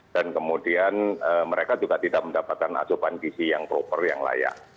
dan kemudian mereka juga tidak mendapatkan acoban gizi yang proper yang layak